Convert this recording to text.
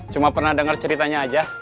cuma pernah dengar ceritanya aja